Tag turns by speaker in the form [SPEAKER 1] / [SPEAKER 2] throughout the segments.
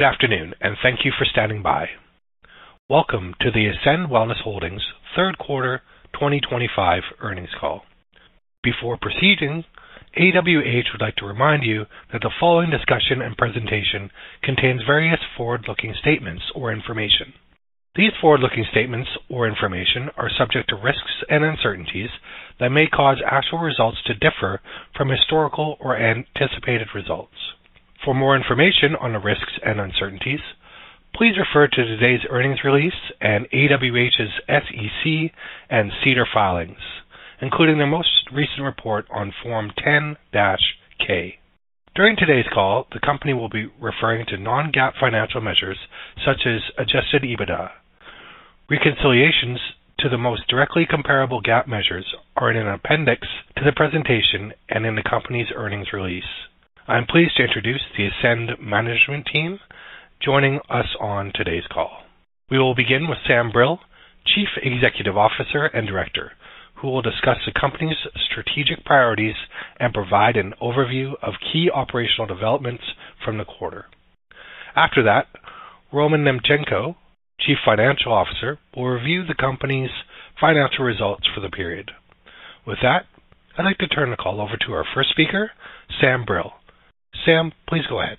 [SPEAKER 1] Good afternoon, and thank you for standing by. Welcome to the Ascend Wellness Holdings Third Quarter 2025 Earnings Call. Before proceeding, AWH would like to remind you that the following discussion and presentation contains various forward-looking statements or information. These forward-looking statements or information are subject to risks and uncertainties that may cause actual results to differ from historical or anticipated results. For more information on the risks and uncertainties, please refer to today's earnings release and AWH's SEC and SEDAR filings, including their most recent report on Form 10-K. During today's call, the company will be referring to non-GAAP financial measures such as adjusted EBITDA. Reconciliations to the most directly comparable GAAP measures are in an appendix to the presentation and in the company's earnings release. I'm pleased to introduce the Ascend Management Team joining us on today's call. We will begin with Sam Brill, Chief Executive Officer and Director, who will discuss the company's strategic priorities and provide an overview of key operational developments from the quarter. After that, Roman Nemchenko, Chief Financial Officer, will review the company's financial results for the period. With that, I'd like to turn the call over to our first speaker, Sam Brill. Sam, please go ahead.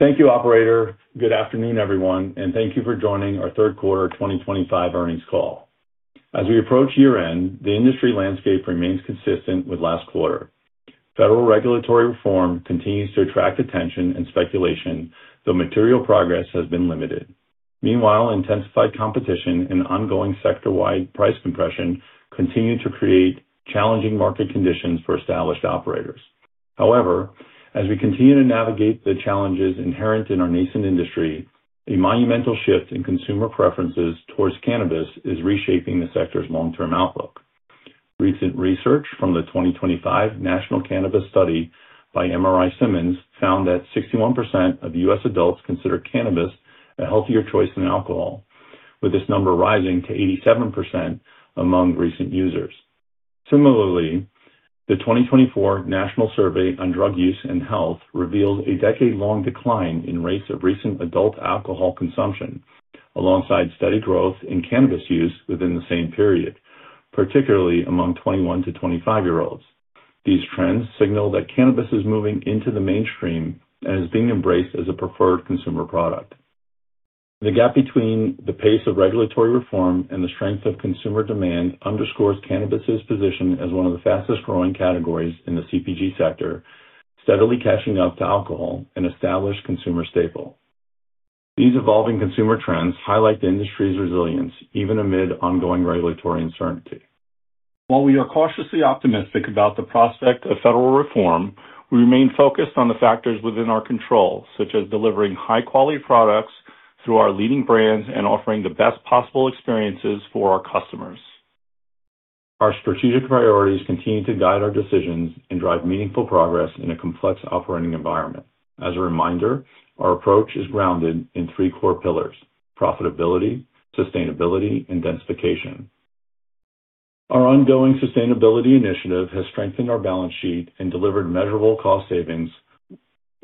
[SPEAKER 2] Thank you, Operator. Good afternoon, everyone, and thank you for joining our third quarter 2025 earnings call. As we approach year-end, the industry landscape remains consistent with last quarter. Federal regulatory reform continues to attract attention and speculation, though material progress has been limited. Meanwhile, intensified competition and ongoing sector-wide price compression continue to create challenging market conditions for established operators. However, as we continue to navigate the challenges inherent in our nascent industry, a monumental shift in consumer preferences towards cannabis is reshaping the sector's long-term outlook. Recent research from the 2025 National Cannabis Study by MRI-Simmons found that 61% of U.S. adults consider cannabis a healthier choice than alcohol, with this number rising to 87% among recent users. Similarly, the 2024 National Survey on Drug Use and Health revealed a decade-long decline in rates of recent adult alcohol consumption, alongside steady growth in cannabis use within the same period, particularly among 21 to 25-year-olds. These trends signal that cannabis is moving into the mainstream and is being embraced as a preferred consumer product. The gap between the pace of regulatory reform and the strength of consumer demand underscores cannabis's position as one of the fastest-growing categories in the CPG sector, steadily catching up to alcohol and established consumer staples. These evolving consumer trends highlight the industry's resilience, even amid ongoing regulatory uncertainty. While we are cautiously optimistic about the prospect of federal reform, we remain focused on the factors within our control, such as delivering high-quality products through our leading brands and offering the best possible experiences for our customers. Our strategic priorities continue to guide our decisions and drive meaningful progress in a complex operating environment. As a reminder, our approach is grounded in three core pillars: profitability, sustainability, and densification. Our ongoing sustainability initiative has strengthened our balance sheet and delivered measurable cost savings,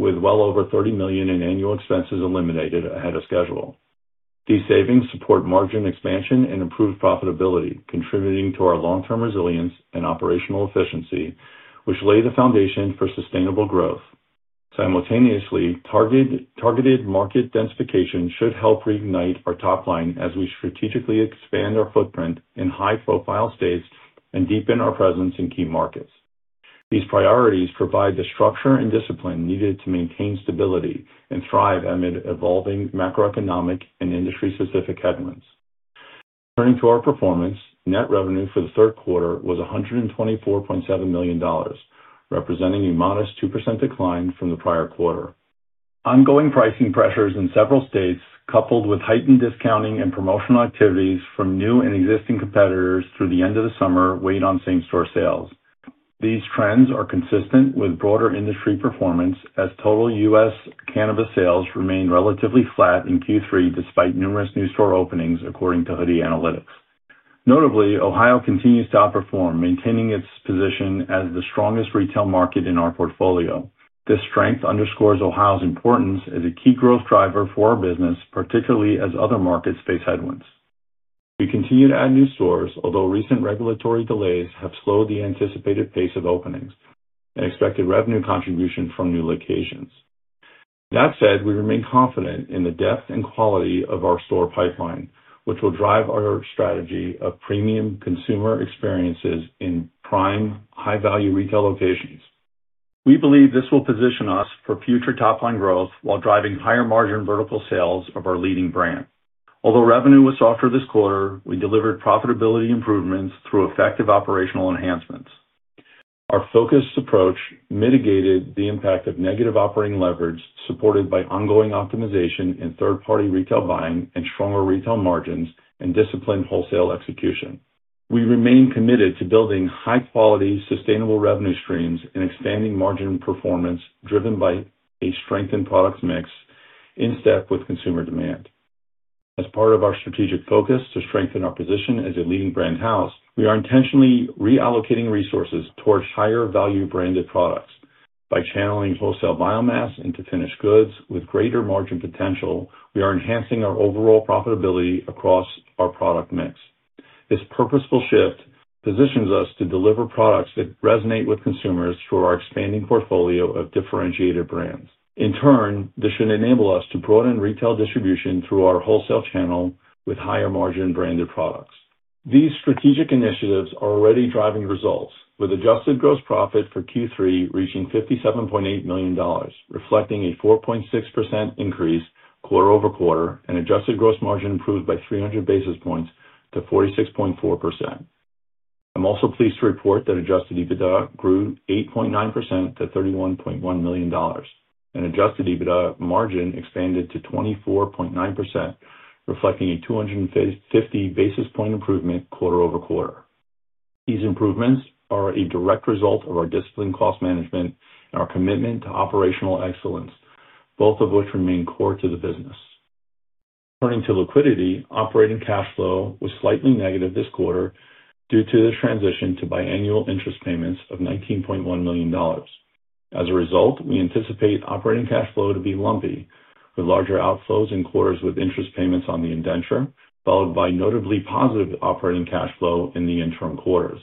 [SPEAKER 2] with well over $30 million in annual expenses eliminated ahead of schedule. These savings support margin expansion and improved profitability, contributing to our long-term resilience and operational efficiency, which lay the foundation for sustainable growth. Simultaneously, targeted market densification should help reignite our top line as we strategically expand our footprint in high-profile states and deepen our presence in key markets. These priorities provide the structure and discipline needed to maintain stability and thrive amid evolving macroeconomic and industry-specific headwinds. Turning to our performance, net revenue for the third quarter was $124.7 million, representing a modest 2% decline from the prior quarter. Ongoing pricing pressures in several states, coupled with heightened discounting and promotional activities from new and existing competitors through the end of the summer, weighed on same-store sales. These trends are consistent with broader industry performance, as total U.S. cannabis sales remain relatively flat in Q3 despite numerous new store openings, according to Hoodie Analytics. Notably, Ohio continues to outperform, maintaining its position as the strongest retail market in our portfolio. This strength underscores Ohio's importance as a key growth driver for our business, particularly as other markets face headwinds. We continue to add new stores, although recent regulatory delays have slowed the anticipated pace of openings and expected revenue contribution from new locations. That said, we remain confident in the depth and quality of our store pipeline, which will drive our strategy of premium consumer experiences in prime, high-value retail locations. We believe this will position us for future top-line growth while driving higher margin vertical sales of our leading brand. Although revenue was softer this quarter, we delivered profitability improvements through effective operational enhancements. Our focused approach mitigated the impact of negative operating leverage, supported by ongoing optimization in third-party retail buying and stronger retail margins and disciplined wholesale execution. We remain committed to building high-quality, sustainable revenue streams and expanding margin performance driven by a strengthened product mix in step with consumer demand. As part of our strategic focus to strengthen our position as a leading brand house, we are intentionally reallocating resources towards higher-value branded products. By channeling wholesale biomass into finished goods with greater margin potential, we are enhancing our overall profitability across our product mix. This purposeful shift positions us to deliver products that resonate with consumers through our expanding portfolio of differentiated brands. In turn, this should enable us to broaden retail distribution through our wholesale channel with higher-margin branded products. These strategic initiatives are already driving results, with adjusted gross profit for Q3 reaching $57.8 million, reflecting a 4.6% increase quarter-over-quarter and adjusted gross margin improved by 300 basis points to 46.4%. I'm also pleased to report that adjusted EBITDA grew 8.9% to $31.1 million, and adjusted EBITDA margin expanded to 24.9%, reflecting a 250 basis point improvement quarter-over-quarter. These improvements are a direct result of our disciplined cost management and our commitment to operational excellence, both of which remain core to the business. Turning to liquidity, operating cash flow was slightly negative this quarter due to the transition to biannual interest payments of $19.1 million. As a result, we anticipate operating cash flow to be lumpy, with larger outflows in quarters with interest payments on the indenture, followed by notably positive operating cash flow in the interim quarters.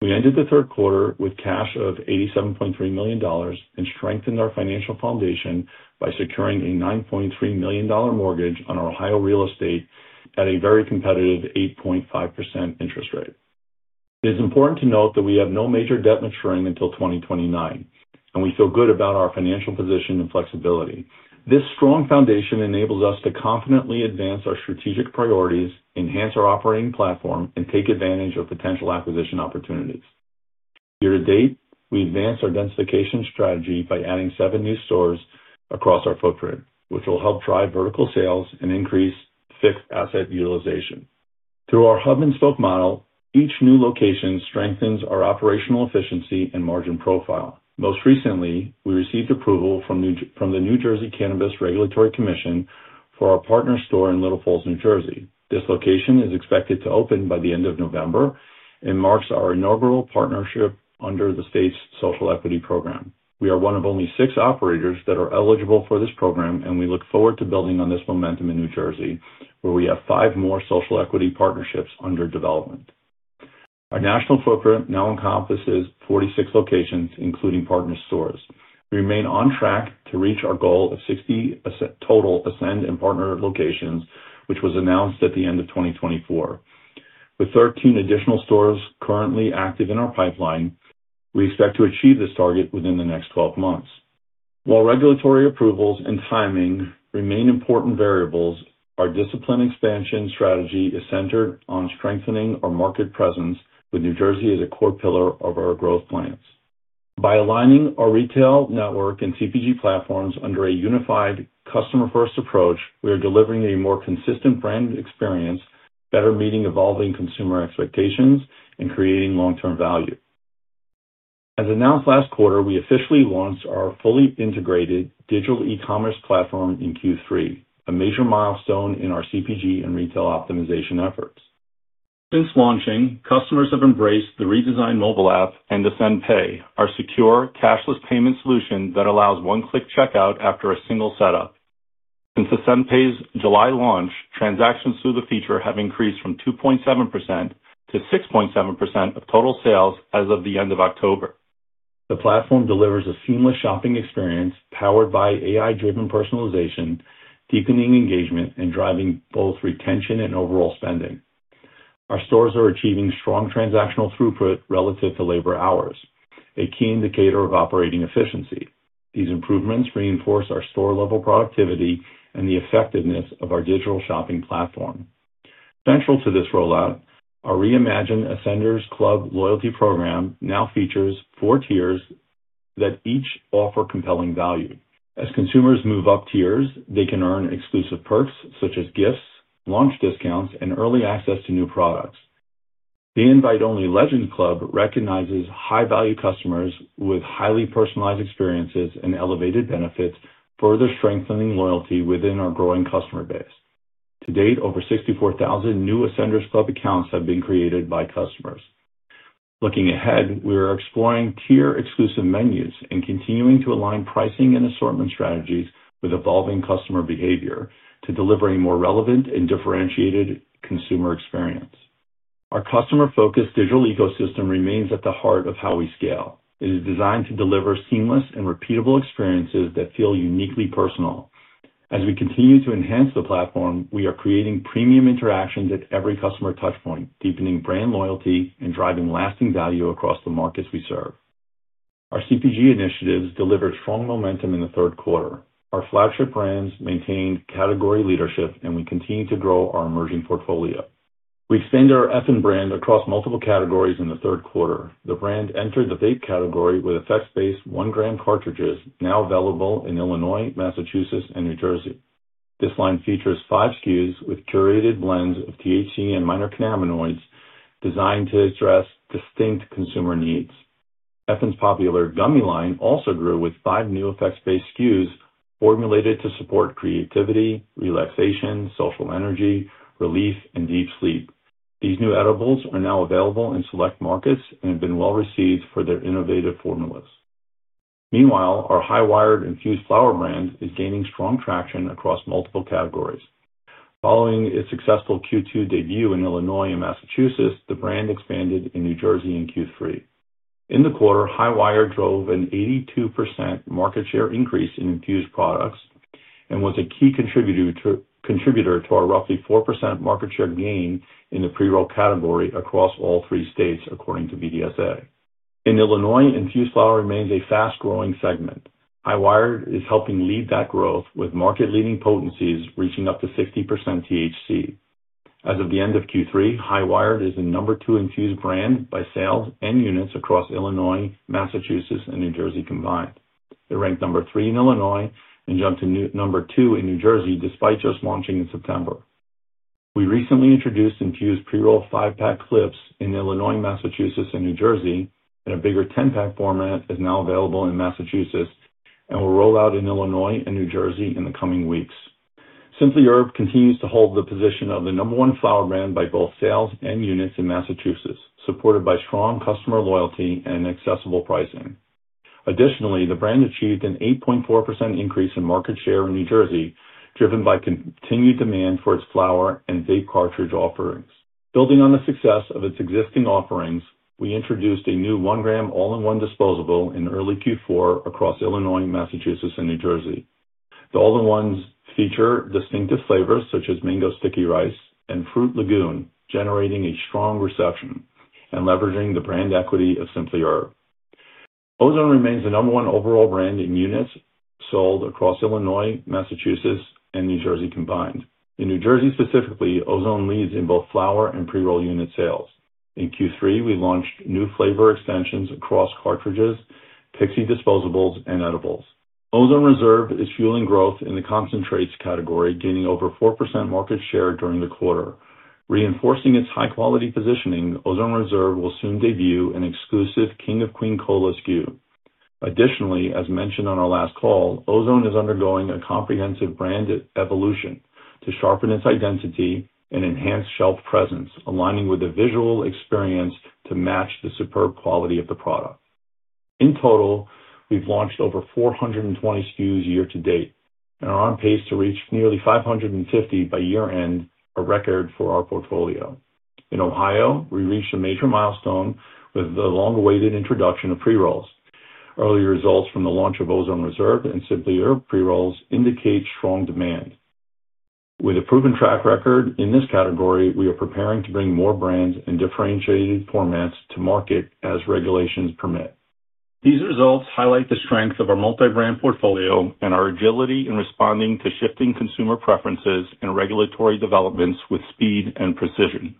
[SPEAKER 2] We ended the third quarter with cash of $87.3 million and strengthened our financial foundation by securing a $9.3 million mortgage on Ohio real estate at a very competitive 8.5% interest rate. It is important to note that we have no major debt maturing until 2029, and we feel good about our financial position and flexibility. This strong foundation enables us to confidently advance our strategic priorities, enhance our operating platform, and take advantage of potential acquisition opportunities. Year-to-date, we advanced our densification strategy by adding seven new stores across our footprint, which will help drive vertical sales and increase fixed asset utilization. Through our hub-and-spoke model, each new location strengthens our operational efficiency and margin profile. Most recently, we received approval from the New Jersey Cannabis Regulatory Commission for our partner store in Little Falls, New Jersey. This location is expected to open by the end of November and marks our inaugural partnership under the state's social equity program. We are one of only six operators that are eligible for this program, and we look forward to building on this momentum in New Jersey, where we have five more social equity partnerships under development. Our national footprint now encompasses 46 locations, including partner stores. We remain on track to reach our goal of 60 total Ascend and partner locations, which was announced at the end of 2024. With 13 additional stores currently active in our pipeline, we expect to achieve this target within the next 12 months. While regulatory approvals and timing remain important variables, our discipline expansion strategy is centered on strengthening our market presence, with New Jersey as a core pillar of our growth plans. By aligning our retail network and CPG platforms under a unified, customer-first approach, we are delivering a more consistent brand experience, better meeting evolving consumer expectations, and creating long-term value. As announced last quarter, we officially launched our fully integrated digital e-commerce platform in Q3, a major milestone in our CPG and retail optimization efforts. Since launching, customers have embraced the redesigned mobile app and Ascend Pay, our secure, cashless payment solution that allows one-click checkout after a single setup. Since Ascend Pay's July launch, transactions through the feature have increased from 2.7% to 6.7% of total sales as of the end of October. The platform delivers a seamless shopping experience powered by AI-driven personalization, deepening engagement, and driving both retention and overall spending. Our stores are achieving strong transactional throughput relative to labor hours, a key indicator of operating efficiency. These improvements reinforce our store-level productivity and the effectiveness of our digital shopping platform. Central to this rollout, our reimagined Ascenders Club loyalty program now features four tiers that each offer compelling value. As consumers move up tiers, they can earn exclusive perks such as gifts, launch discounts, and early access to new products. The invite-only Legends Club recognizes high-value customers with highly personalized experiences and elevated benefits, further strengthening loyalty within our growing customer base. To date, over 64,000 new Ascenders Club accounts have been created by customers. Looking ahead, we are exploring tier-exclusive menus and continuing to align pricing and assortment strategies with evolving customer behavior to deliver a more relevant and differentiated consumer experience. Our customer-focused digital ecosystem remains at the heart of how we scale. It is designed to deliver seamless and repeatable experiences that feel uniquely personal. As we continue to enhance the platform, we are creating premium interactions at every customer touchpoint, deepening brand loyalty and driving lasting value across the markets we serve. Our CPG initiatives delivered strong momentum in the third quarter. Our flagship brands-maintained category leadership, and we continue to grow our emerging portfolio. We expanded our Effin' brand across multiple categories in the third quarter. The brand entered the vape category with effects-based 1-gram cartridges, now available in Illinois, Massachusetts, and New Jersey. This line features five SKUs with curated blends of THC and minor cannabinoids designed to address distinct consumer needs. Effin's popular gummy line also grew with five new effects-based SKUs formulated to support creativity, relaxation, social energy, relief, and deep sleep. These new edibles are now available in select markets and have been well-received for their innovative formulas. Meanwhile, our High Wired Infused Flower brand is gaining strong traction across multiple categories. Following its successful Q2 debut in Illinois and Massachusetts, the brand expanded in New Jersey in Q3. In the quarter, High Wired drove an 82% market share increase in infused products and was a key contributor to our roughly 4% market share gain in the pre-roll category across all three states, according to BDSA. In Illinois, infused flower remains a fast-growing segment. High Wired is helping lead that growth with market-leading potencies reaching up to 60% THC. As of the end of Q3, High Wired is the number two infused brand by sales and units across Illinois, Massachusetts, and New Jersey combined. It ranked number three in Illinois and jumped to number two in New Jersey despite just launching in September. We recently introduced infused pre-roll five-pack clips in Illinois, Massachusetts, and New Jersey, and a bigger 10-pack format is now available in Massachusetts and will roll out in Illinois and New Jersey in the coming weeks. Simply Herb continues to hold the position of the number one flower brand by both sales and units in Massachusetts, supported by strong customer loyalty and accessible pricing. Additionally, the brand achieved an 8.4% increase in market share in New Jersey, driven by continued demand for its flower and vape cartridge offerings. Building on the success of its existing offerings, we introduced a new one-gram all-in-one disposable in early Q4 across Illinois, Massachusetts, and New Jersey. The all-in-ones feature distinctive flavors such as Mango Sticky Rice and Fruit Lagoon, generating a strong reception and leveraging the brand equity of Simply Herb. Ozone remains the number one overall brand in units sold across Illinois, Massachusetts, and New Jersey combined. In New Jersey specifically, Ozone leads in both flower and pre-roll unit sales. In Q3, we launched new flavor extensions across cartridges, Pixi disposables, and edibles. Ozone Reserve is fueling growth in the concentrates category, gaining over 4% market share during the quarter. Reinforcing its high-quality positioning, Ozone Reserve will soon debut an exclusive King of Queens Cola SKU. Additionally, as mentioned on our last call, Ozone is undergoing a comprehensive brand evolution to sharpen its identity and enhance shelf presence, aligning with the visual experience to match the superb quality of the product. In total, we've launched over 420 SKUs year to date and are on pace to reach nearly 550 by year-end, a record for our portfolio. In Ohio, we reached a major milestone with the long-awaited introduction of pre-rolls. Early results from the launch of Ozone Reserve and Simply Herb pre-rolls indicate strong demand. With a proven track record in this category, we are preparing to bring more brands and differentiated formats to market as regulations permit. These results highlight the strength of our multi-brand portfolio and our agility in responding to shifting consumer preferences and regulatory developments with speed and precision.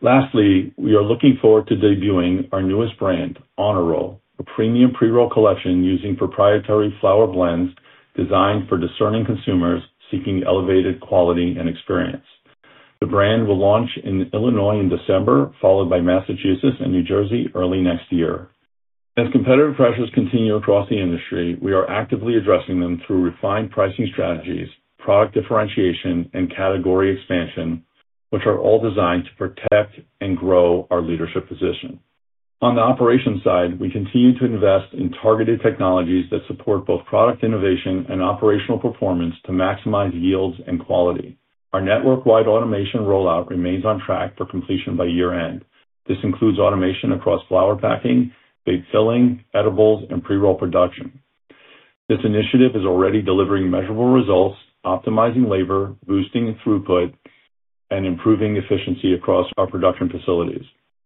[SPEAKER 2] Lastly, we are looking forward to debuting our newest brand, Honor Roll, a premium pre-roll collection using proprietary flower blends designed for discerning consumers seeking elevated quality and experience. The brand will launch in Illinois in December, followed by Massachusetts and New Jersey early next year. As competitive pressures continue across the industry, we are actively addressing them through refined pricing strategies, product differentiation, and category expansion, which are all designed to protect and grow our leadership position. On the operations side, we continue to invest in targeted technologies that support both product innovation and operational performance to maximize yields and quality. Our network-wide automation rollout remains on track for completion by year-end. This includes automation across flower packing, vape filling, edibles, and pre-roll production. This initiative is already delivering measurable results, optimizing labor, boosting throughput, and improving efficiency across our production facilities.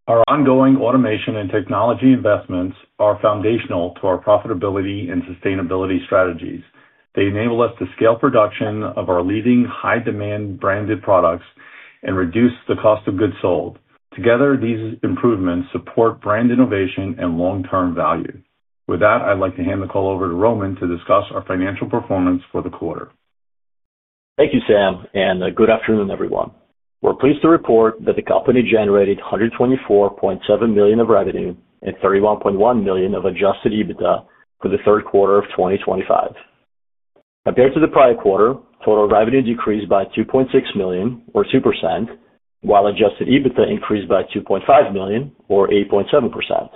[SPEAKER 2] Our ongoing automation and technology investments are foundational to our profitability and sustainability strategies. They enable us to scale production of our leading high-demand branded products and reduce the cost of goods sold. Together, these improvements support brand innovation and long-term value. With that, I'd like to hand the call over to Roman to discuss our financial performance for the quarter.
[SPEAKER 3] Thank you, Sam, and good afternoon, everyone. We're pleased to report that the company generated $124.7 million of revenue and $31.1 million of adjusted EBITDA for the third quarter of 2025. Compared to the prior quarter, total revenue decreased by $2.6 million, or 2%, while adjusted EBITDA increased by $2.5 million, or 8.7%.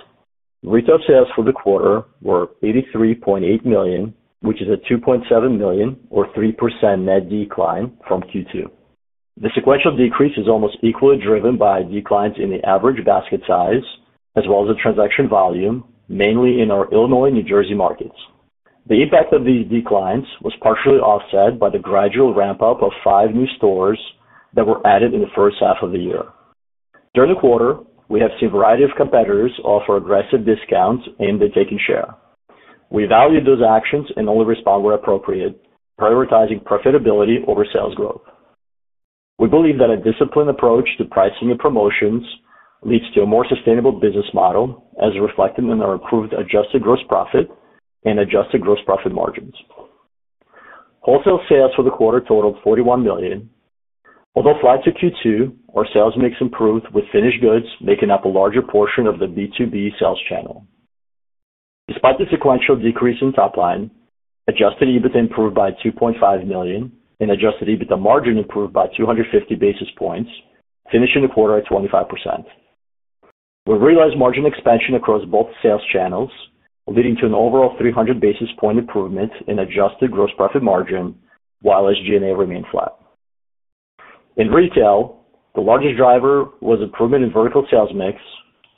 [SPEAKER 3] Retail sales for the quarter were $83.8 million, which is a $2.7 million, or 3%, net decline from Q2. The sequential decrease is almost equally driven by declines in the average basket size, as well as the transaction volume, mainly in our Illinois and New Jersey markets. The impact of these declines was partially offset by the gradual ramp-up of five new stores that were added in the first half of the year. During the quarter, we have seen a variety of competitors offer aggressive discounts aimed at taking share. We valued those actions and only respond where appropriate, prioritizing profitability over sales growth. We believe that a disciplined approach to pricing and promotions leads to a more sustainable business model, as reflected in our improved adjusted gross profit and adjusted gross profit margins. Wholesale sales for the quarter totaled $41 million, although flat to Q2, our sales mix improved with finished goods making up a larger portion of the B2B sales channel. Despite the sequential decrease in top line, adjusted EBITDA improved by $2.5 million, and adjusted EBITDA margin improved by 250 basis points, finishing the quarter at 25%. We realized margin expansion across both sales channels, leading to an overall 300 basis point improvement in adjusted gross profit margin, while SG&A remained flat. In retail, the largest driver was improvement in vertical sales mix,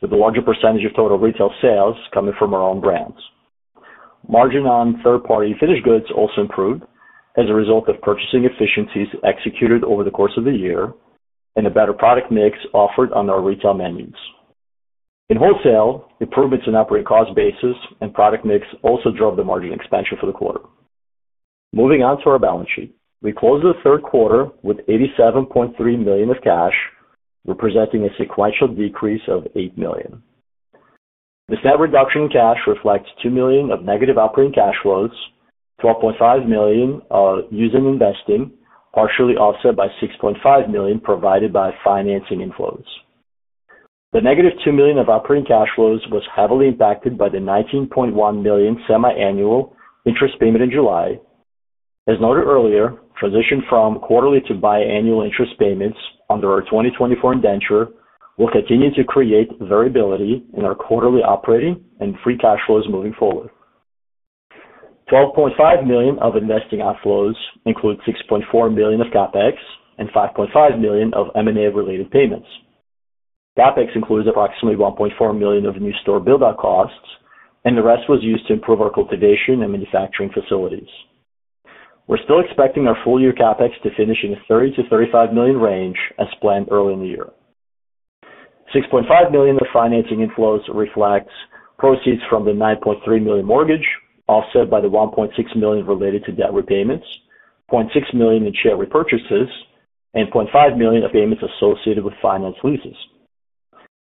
[SPEAKER 3] with a larger percentage of total retail sales coming from our own brands. Margin on third-party finished goods also improved as a result of purchasing efficiencies executed over the course of the year and a better product mix offered on our retail menus. In wholesale, improvements in operating cost basis and product mix also drove the margin expansion for the quarter. Moving on to our balance sheet, we closed the third quarter with $87.3 million of cash, representing a sequential decrease of $8 million. This net reduction in cash reflects $2 million of negative operating cash flows, $12.5 million of investing, partially offset by $6.5 million provided by financing inflows. The negative $2 million of operating cash flows was heavily impacted by the $19.1 million semi-annual interest payment in July. As noted earlier, transition from quarterly to biannual interest payments under our 2024 indenture will continue to create variability in our quarterly operating and free cash flows moving forward. $12.5 million of investing outflows include $6.4 million of CapEx and $5.5 million of M&A-related payments. CapEx includes approximately $1.4 million of new store build-out costs, and the rest was used to improve our cultivation and manufacturing facilities. We're still expecting our full-year CapEx to finish in the $30 million-$35 million range as planned early in the year. $6.5 million of financing inflows reflects proceeds from the $9.3 million mortgage, offset by the $1.6 million related to debt repayments, $0.6 million in share repurchases, and $0.5 million of payments associated with finance leases.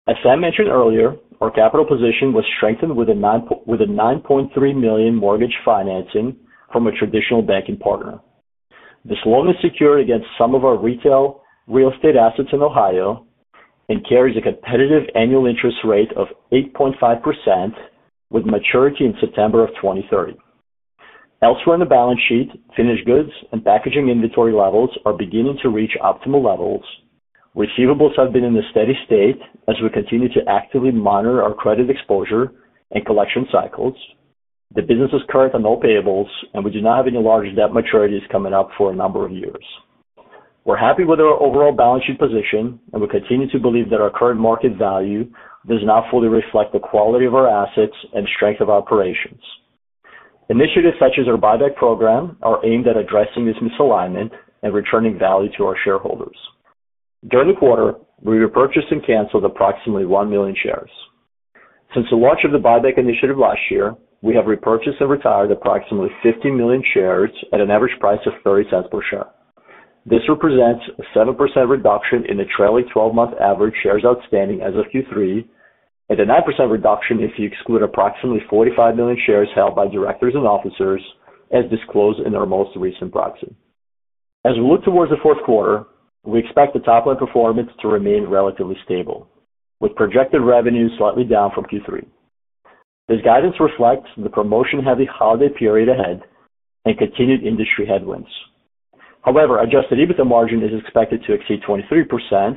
[SPEAKER 3] As Sam mentioned earlier, our capital position was strengthened with a $9.3 million mortgage financing from a traditional banking partner. This loan is secured against some of our retail real estate assets in Ohio and carries a competitive annual interest rate of 8.5% with maturity in September of 2030. Elsewhere in the balance sheet, finished goods and packaging inventory levels are beginning to reach optimal levels. Receivables have been in a steady state as we continue to actively monitor our credit exposure and collection cycles. The business is current on all payables, and we do not have any large debt maturities coming up for a number of years. We're happy with our overall balance sheet position, and we continue to believe that our current market value does not fully reflect the quality of our assets and strength of operations. Initiatives such as our buyback program are aimed at addressing this misalignment and returning value to our shareholders. During the quarter, we repurchased and canceled approximately 1 million shares. Since the launch of the buyback initiative last year, we have repurchased and retired approximately 15 million shares at an average price of $0.30 per share. This represents a 7% reduction in the trailing 12-month average shares outstanding as of Q3 and a 9% reduction if you exclude approximately 45 million shares held by directors and officers, as disclosed in our most recent proxy. As we look towards the fourth quarter, we expect the top-line performance to remain relatively stable, with projected revenue slightly down from Q3. This guidance reflects the promotion-heavy holiday period ahead and continued industry headwinds. However, adjusted EBITDA margin is expected to exceed 23%,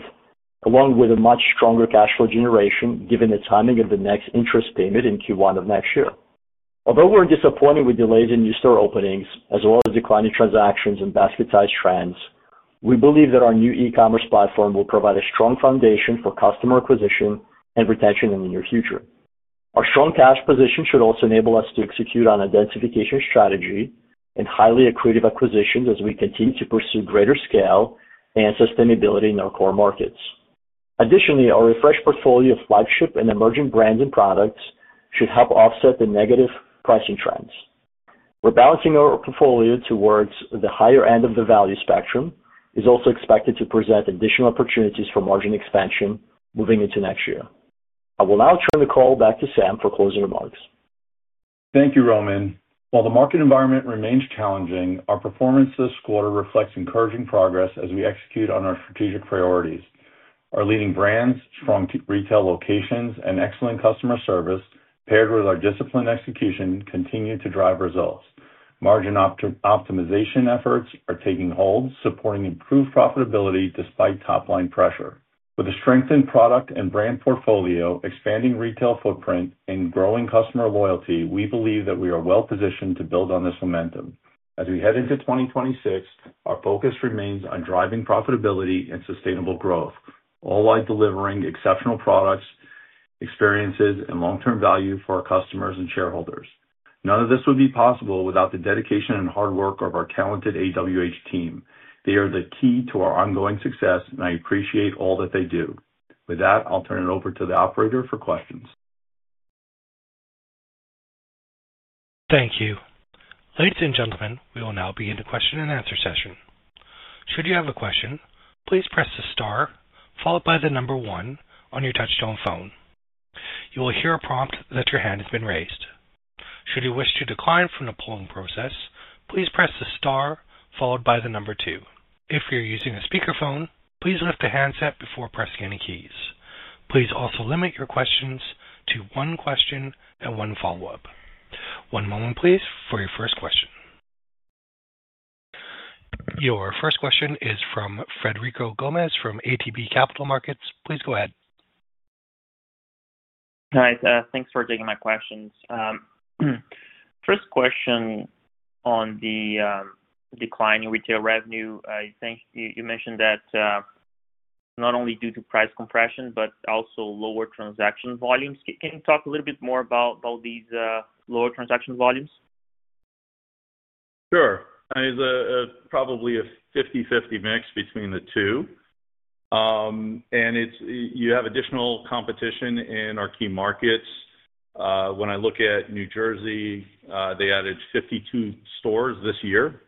[SPEAKER 3] along with a much stronger cash flow generation given the timing of the next interest payment in Q1 of next year. Although we're disappointed with delays in new store openings, as well as declining transactions and basket size trends, we believe that our new e-commerce platform will provide a strong foundation for customer acquisition and retention in the near future. Our strong cash position should also enable us to execute on identification strategy and highly accretive acquisitions as we continue to pursue greater scale and sustainability in our core markets. Additionally, our refreshed portfolio of flagship and emerging brands and products should help offset the negative pricing trends. We're balancing our portfolio towards the higher end of the value spectrum. It is also expected to present additional opportunities for margin expansion moving into next year. I will now turn the call back to Sam for closing remarks.
[SPEAKER 2] Thank you, Roman. While the market environment remains challenging, our performance this quarter reflects encouraging progress as we execute on our strategic priorities. Our leading brands, strong retail locations, and excellent customer service, paired with our disciplined execution, continue to drive results. Margin optimization efforts are taking hold, supporting improved profitability despite top-line pressure. With a strengthened product and brand portfolio, expanding retail footprint, and growing customer loyalty, we believe that we are well-positioned to build on this momentum. As we head into 2026, our focus remains on driving profitability and sustainable growth, all while delivering exceptional products, experiences, and long-term value for our customers and shareholders. None of this would be possible without the dedication and hard work of our talented AWH team. They are the key to our ongoing success, and I appreciate all that they do. With that, I'll turn it over to the operator for questions.
[SPEAKER 1] Thank you. Ladies and gentlemen, we will now begin the question-and-answer session. Should you have a question, please press the star followed by the number one on your touchstone phone. You will hear a prompt that your hand has been raised. Should you wish to decline from the polling process, please press the star followed by the number two. If you're using a speakerphone, please lift the handset before pressing any keys. Please also limit your questions to one question and one follow-up. One moment, please, for your first question. Your first question is from Frederico Gomes from ATB Capital Markets. Please go ahead.
[SPEAKER 4] Hi, thanks for taking my questions. First question on the decline in retail revenue. I think you mentioned that not only due to price compression, but also lower transaction volumes. Can you talk a little bit more about these lower transaction volumes?
[SPEAKER 2] Sure. It's probably a 50/50 mix between the two. You have additional competition in our key markets. When I look at New Jersey, they added 52 stores this year.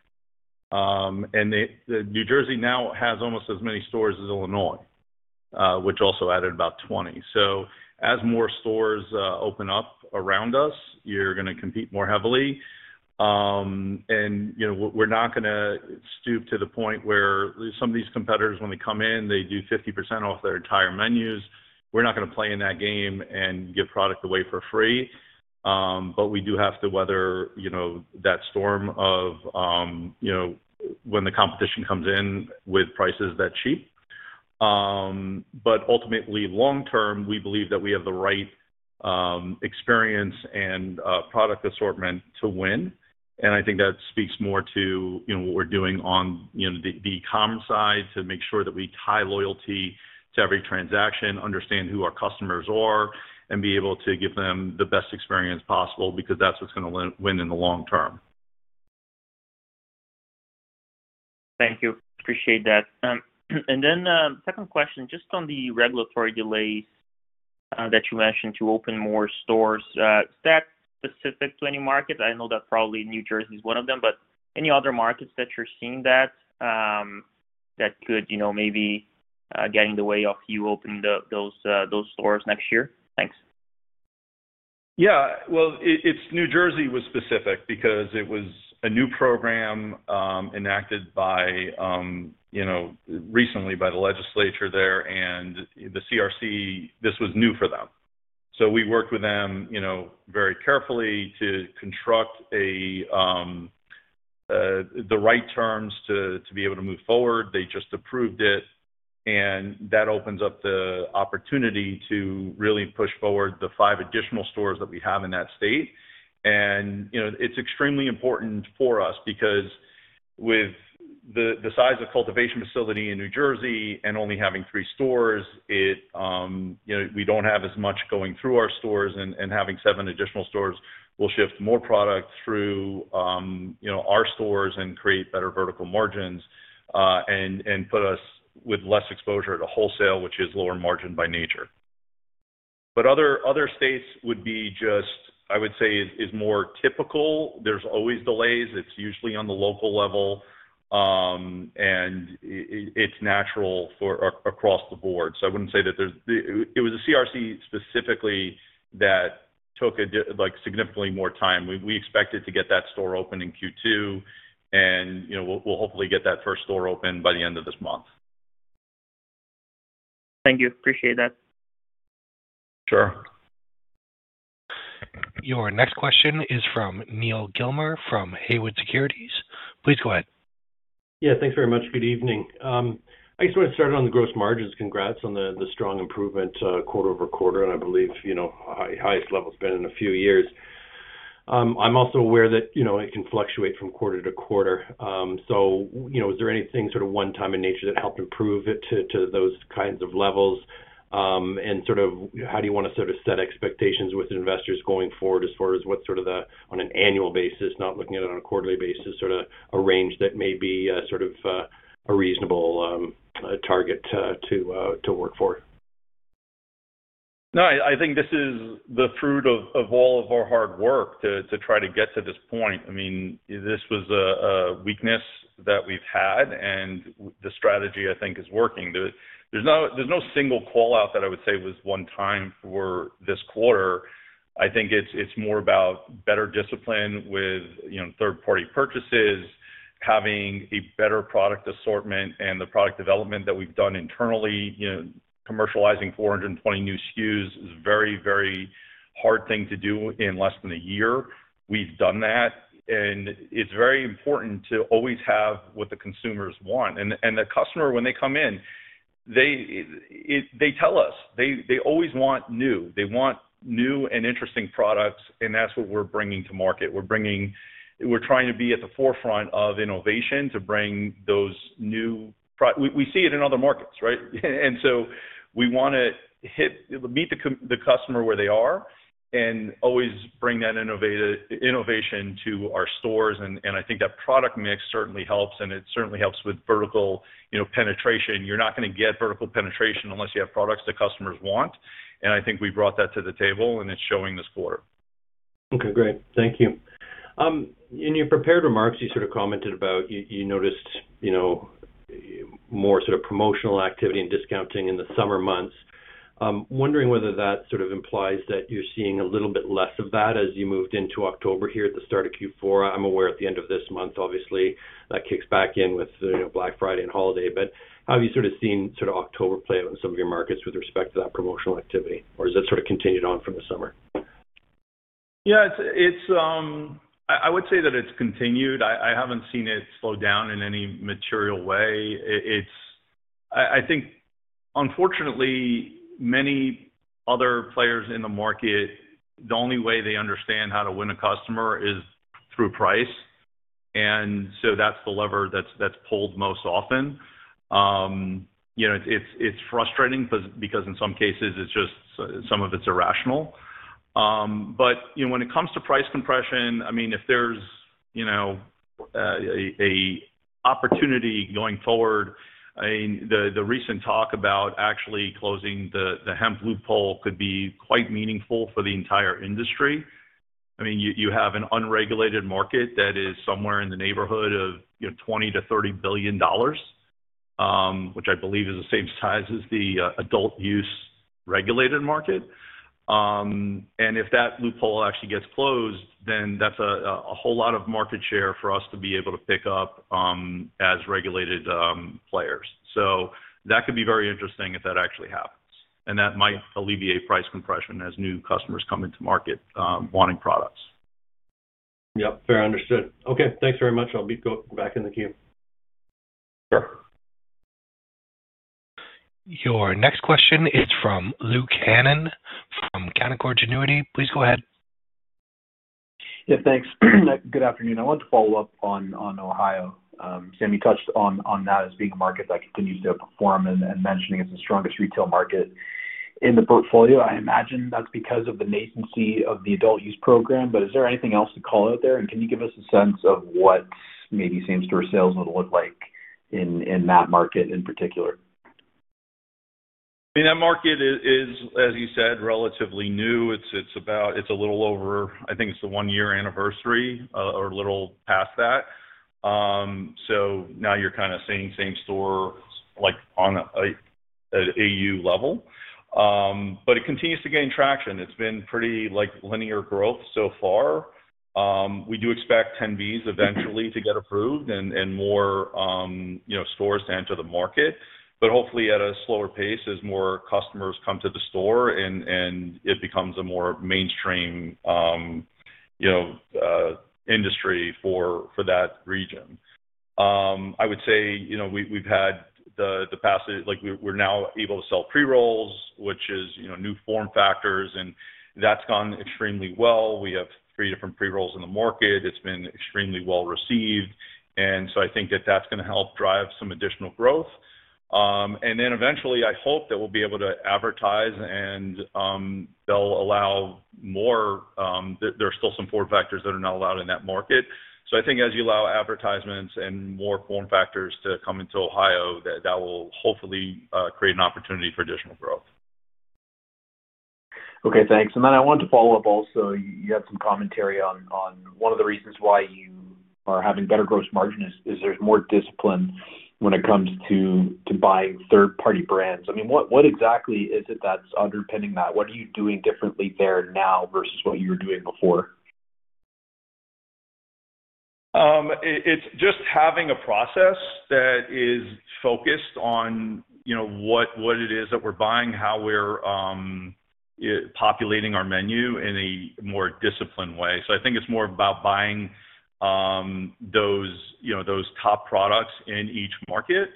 [SPEAKER 2] New Jersey now has almost as many stores as Illinois, which also added about 20. As more stores open up around us, you're going to compete more heavily. We're not going to stoop to the point where some of these competitors, when they come in, they do 50% off their entire menus. We're not going to play in that game and give product away for free. We do have to weather that storm of when the competition comes in with prices that cheap. Ultimately, long-term, we believe that we have the right experience and product assortment to win. I think that speaks more to what we are doing on the e-commerce side to make sure that we tie loyalty to every transaction, understand who our customers are, and be able to give them the best experience possible because that is what is going to win in the long term.
[SPEAKER 4] Thank you. Appreciate that. Second question, just on the regulatory delays that you mentioned to open more stores. Is that specific to any market? I know that probably New Jersey is one of them, but any other markets that you are seeing that could maybe get in the way of you opening those stores next year? Thanks.
[SPEAKER 2] Yeah. New Jersey was specific because it was a new program enacted recently by the legislature there, and the CRC, this was new for them. We worked with them very carefully to construct the right terms to be able to move forward. They just approved it, and that opens up the opportunity to really push forward the five additional stores that we have in that state. It is extremely important for us because with the size of cultivation facility in New Jersey and only having three stores, we do not have as much going through our stores, and having seven additional stores will shift more product through our stores and create better vertical margins and put us with less exposure to wholesale, which is lower margin by nature. Other states would be just, I would say, is more typical. There are always delays. It's usually on the local level, and it's natural across the board. I wouldn't say that it was a CRC specifically that took significantly more time. We expected to get that store open in Q2, and we'll hopefully get that first store open by the end of this month.
[SPEAKER 4] Thank you. Appreciate that.
[SPEAKER 2] Sure.
[SPEAKER 1] Your next question is from Neal Gilmer from Haywood Securities. Please go ahead.
[SPEAKER 5] Yeah. Thanks very much. Good evening. I just wanted to start on the gross margins. Congrats on the strong improvement quarter-over-quarter, and I believe the highest level has been in a few years. I'm also aware that it can fluctuate from quarter-to-quarter. Is there anything sort of one-time in nature that helped improve it to those kinds of levels? How do you want to sort of set expectations with investors going forward as far as what, on an annual basis, not looking at it on a quarterly basis, sort of a range that may be a reasonable target to work for?
[SPEAKER 2] No, I think this is the fruit of all of our hard work to try to get to this point. I mean, this was a weakness that we have had, and the strategy, I think, is working. There is no single callout that I would say was one-time for this quarter. I think it is more about better discipline with third-party purchases, having a better product assortment, and the product development that we have done internally. Commercializing 420 new SKUs is a very, very hard thing to do in less than a year. We've done that, and it's very important to always have what the consumers want. The customer, when they come in, they tell us they always want new. They want new and interesting products, and that's what we're bringing to market. We're trying to be at the forefront of innovation to bring those new products. We see it in other markets, right? We want to meet the customer where they are and always bring that innovation to our stores. I think that product mix certainly helps, and it certainly helps with vertical penetration. You're not going to get vertical penetration unless you have products that customers want. I think we brought that to the table, and it's showing this quarter.
[SPEAKER 5] Okay. Great. Thank you. In your prepared remarks, you sort of commented about you noticed more sort of promotional activity and discounting in the summer months. I'm wondering whether that sort of implies that you're seeing a little bit less of that as you moved into October here at the start of Q4. I'm aware at the end of this month, obviously, that kicks back in with Black Friday and holiday. How have you sort of seen sort of October play out in some of your markets with respect to that promotional activity? Has that sort of continued on from the summer?
[SPEAKER 2] Yeah. I would say that it's continued. I haven't seen it slow down in any material way. I think, unfortunately, many other players in the market, the only way they understand how to win a customer is through price. That's the lever that's pulled most often. It's frustrating because in some cases, some of it's irrational. When it comes to price compression, I mean, if there's an opportunity going forward, the recent talk about actually closing the hemp loophole could be quite meaningful for the entire industry. I mean, you have an unregulated market that is somewhere in the neighborhood of $20 billion-$30 billion, which I believe is the same size as the adult-use regulated market. If that loophole actually gets closed, then that's a whole lot of market share for us to be able to pick up as regulated players. That could be very interesting if that actually happens. That might alleviate price compression as new customers come into market wanting products.
[SPEAKER 5] Yep. Fair, understood. Okay. Thanks very much. I'll be back in the queue.
[SPEAKER 2] Sure.
[SPEAKER 1] Your next question is from Luke Hannan from Canaccord Genuity. Please go ahead.
[SPEAKER 6] Yeah. Thanks. Good afternoon. I wanted to follow up on Ohio. Sam, you touched on that as being a market that continues to perform and mentioning it's the strongest retail market in the portfolio. I imagine that's because of the nascency of the adult-use program. Is there anything else to call out there? Can you give us a sense of what maybe same-store sales would look like in that market in particular?
[SPEAKER 2] I mean, that market is, as you said, relatively new. It's a little over, I think it's the one-year anniversary or a little past that. Now you're kind of seeing same-store on an AU level. It continues to gain traction. It's been pretty linear growth so far. We do expect 10Bs eventually to get approved and more stores to enter the market. Hopefully, at a slower pace as more customers come to the store and it becomes a more mainstream industry for that region. I would say we've had the past, we're now able to sell pre-rolls, which is new form factors, and that's gone extremely well. We have three different pre-rolls in the market. It's been extremely well received. I think that that's going to help drive some additional growth. Eventually, I hope that we'll be able to advertise and they'll allow more. There are still some form factors that are not allowed in that market. I think as you allow advertisements and more form factors to come into Ohio, that will hopefully create an opportunity for additional growth.
[SPEAKER 6] Okay. Thanks. I wanted to follow-up also. You had some commentary on one of the reasons why you are having better gross margin is there's more discipline when it comes to buying third-party brands. I mean, what exactly is it that's underpinning that? What are you doing differently there now versus what you were doing before?
[SPEAKER 2] It's just having a process that is focused on what it is that we're buying, how we're populating our menu in a more disciplined way. I think it's more about buying those top products in each market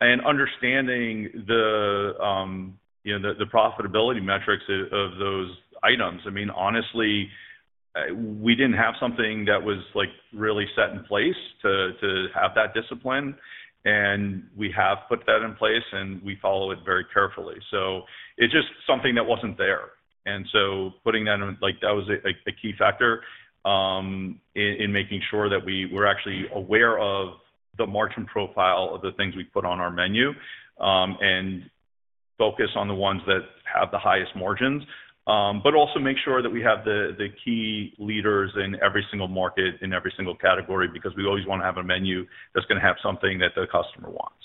[SPEAKER 2] and understanding the profitability metrics of those items. I mean, honestly, we didn't have something that was really set in place to have that discipline. We have put that in place, and we follow it very carefully. It's just something that wasn't there. Putting that in, that was a key factor in making sure that we're actually aware of the margin profile of the things we put on our menu and focus on the ones that have the highest margins. Also make sure that we have the key leaders in every single market, in every single category, because we always want to have a menu that's going to have something that the customer wants.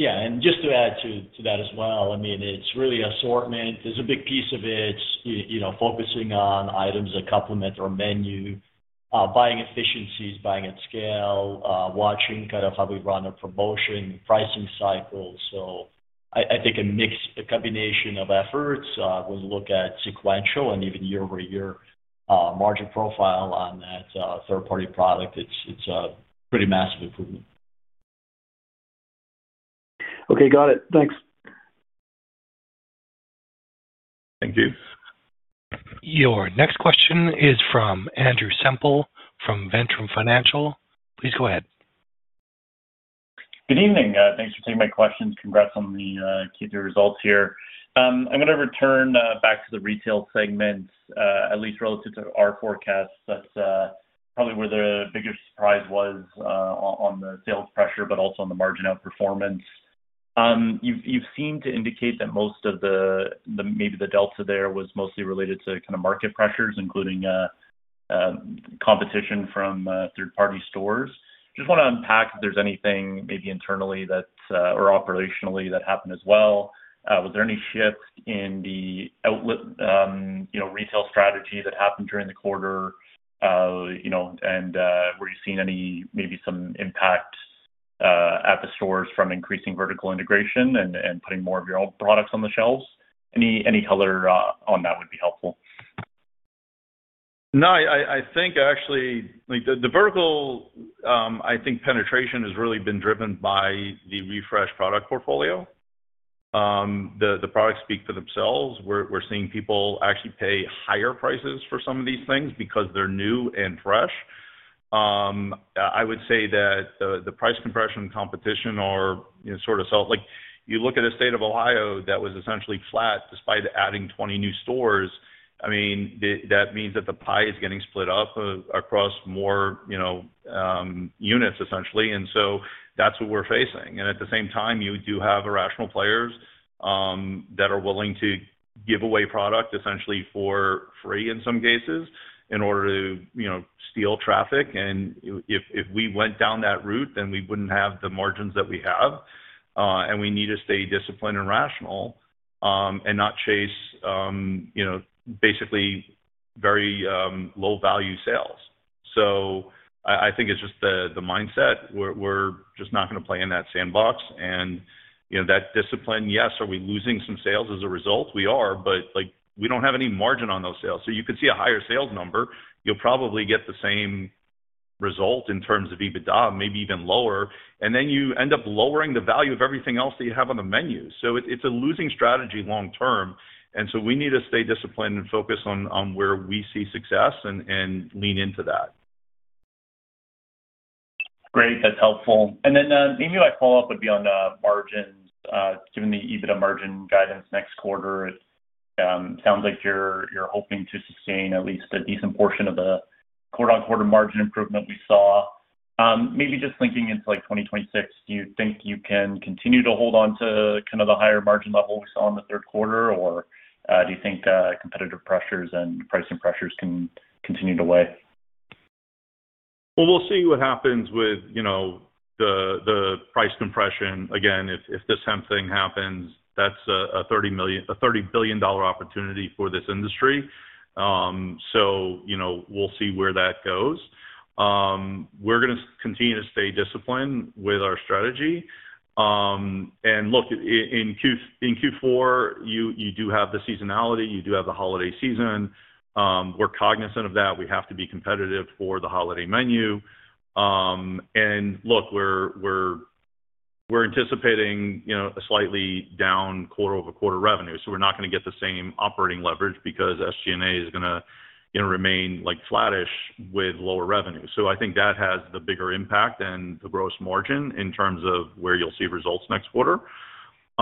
[SPEAKER 3] Yeah. Just to add to that as well, I mean, it's really assortment. There's a big piece of it focusing on items that complement our menu, buying efficiencies, buying at scale, watching kind of how we run our promotion, pricing cycles. I think a mixed combination of efforts when you look at sequential and even year-over-year margin profile on that third-party product, it's a pretty massive improvement.
[SPEAKER 6] Okay. Got it. Thanks.
[SPEAKER 2] Thank you.
[SPEAKER 1] Your next question is from Andrew Semple from Ventum Financial. Please go ahead.
[SPEAKER 7] Good evening. Thanks for taking my questions. Congrats on the Q3 results here. I'm going to return back to the retail segment, at least relative to our forecasts. That's probably where the biggest surprise was on the sales pressure, but also on the margin outperformance. You seemed to indicate that most of the maybe the delta there was mostly related to kind of market pressures, including competition from third-party stores. Just want to unpack if there's anything maybe internally or operationally that happened as well. Was there any shift in the outlet retail strategy that happened during the quarter? Were you seeing maybe some impact at the stores from increasing vertical integration and putting more of your own products on the shelves? Any color on that would be helpful.
[SPEAKER 2] No, I think actually the vertical, I think penetration has really been driven by the refreshed product portfolio. The products speak for themselves. We're seeing people actually pay higher prices for some of these things because they're new and fresh. I would say that the price compression and competition are sort of you look at a state of Ohio that was essentially flat despite adding 20 new stores. I mean, that means that the pie is getting split up across more units, essentially. That is what we're facing. At the same time, you do have irrational players that are willing to give away product essentially for free in some cases in order to steal traffic. If we went down that route, then we wouldn't have the margins that we have. We need to stay disciplined and rational and not chase basically very low-value sales. I think it's just the mindset. We're just not going to play in that sandbox. That discipline, yes, are we losing some sales as a result? We are, but we don't have any margin on those sales. You could see a higher sales number. You'll probably get the same result in terms of EBITDA, maybe even lower. You end up lowering the value of everything else that you have on the menu. It's a losing strategy long-term. We need to stay disciplined and focus on where we see success and lean into that.
[SPEAKER 7] Great. That's helpful. Maybe my follow-up would be on margins. Given the EBITDA margin guidance next quarter, it sounds like you're hoping to sustain at least a decent portion of the quarter-on-quarter margin improvement we saw. Maybe just thinking into 2026, do you think you can continue to hold on to kind of the higher margin level we saw in the third quarter, or do you think competitive pressures and pricing pressures can continue to weigh?
[SPEAKER 2] We will see what happens with the price compression. Again, if the same thing happens, that's a $30 billion opportunity for this industry. We will see where that goes. We are going to continue to stay disciplined with our strategy. In Q4, you do have the seasonality. You do have the holiday season. We are cognizant of that. We have to be competitive for the holiday menu. We are anticipating a slightly down quarter-over-quarter revenue. We are not going to get the same operating leverage because SG&A is going to remain flattish with lower revenue. I think that has the bigger impact and the gross margin in terms of where you'll see results next quarter.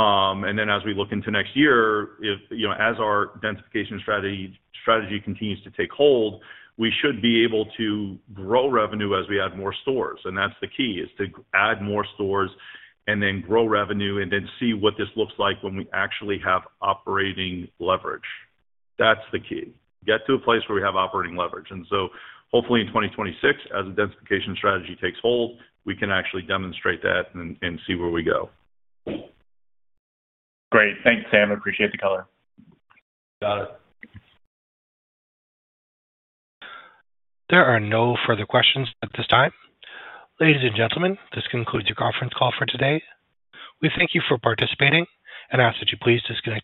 [SPEAKER 2] As we look into next year, as our densification strategy continues to take hold, we should be able to grow revenue as we add more stores. That's the key, to add more stores and then grow revenue and then see what this looks like when we actually have operating leverage. That's the key. Get to a place where we have operating leverage. Hopefully in 2026, as the densification strategy takes hold, we can actually demonstrate that and see where we go.
[SPEAKER 7] Great. Thanks, Sam. Appreciate the color.
[SPEAKER 2] Got it.
[SPEAKER 1] There are no further questions at this time. Ladies and gentlemen, this concludes your conference call for today. We thank you for participating and ask that you please disconnect.